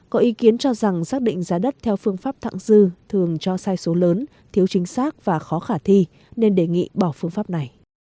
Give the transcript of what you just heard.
có ý kiến cho rằng xác định giá đất theo phương pháp thẳng dư thường cho sai số lớn thiếu chính xác và khó khả thi nên đề nghị bỏ phương pháp này